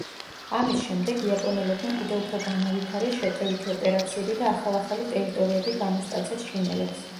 ამის შემდეგ იაპონელებმა კიდევ უფრო განავითარეს შეტევითი ოპერაციები და ახალ-ახალი ტერიტორიები გამოსტაცეს ჩინელებს.